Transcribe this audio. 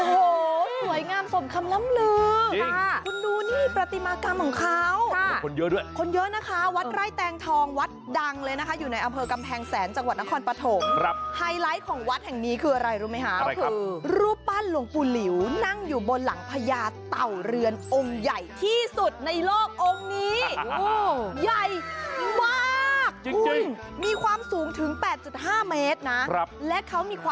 โอ้โหสวยงามสมคำล้ำลือคุณดูนี่ประติมากรรมของเขาคนเยอะด้วยคนเยอะนะคะวัดไร่แตงทองวัดดังเลยนะคะอยู่ในอำเภอกำแพงแสนจังหวัดนครปฐมครับไฮไลท์ของวัดแห่งนี้คืออะไรรู้ไหมคะก็คือรูปปั้นหลวงปู่หลิวนั่งอยู่บนหลังพญาเต่าเรือนองค์ใหญ่ที่สุดในโลกองค์นี้ใหญ่มากคุณมีความสูงถึง๘๕เมตรนะและเขามีความ